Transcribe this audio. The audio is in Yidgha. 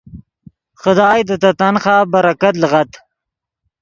خدائے دے تے تنخواہ برکت لیغد۔